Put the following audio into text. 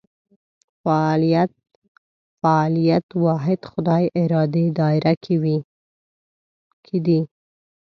فعالیت فاعلیت واحد خدای ارادې دایره کې دي.